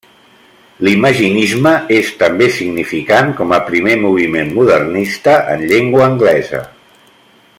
L'imaginisme és també significant com a primer moviment modernista en llengua anglesa.